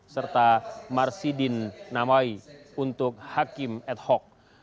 serta marsidin nawai untuk hakim ad hoc